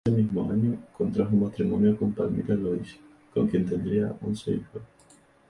Ese mismo año contrajo matrimonio con Palmira Lois, con quien tendría once hijos.